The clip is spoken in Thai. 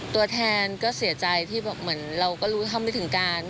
ตัวแทนก็เสียใจที่แบบเหมือนเราก็รู้ทำไม่ถึงการ